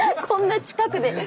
こんな近くで。